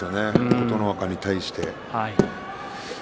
琴ノ若に対して。